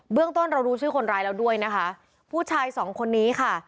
เรื่องต้นเรารู้ชื่อคนร้ายแล้วด้วยนะคะผู้ชายสองคนนี้ค่ะ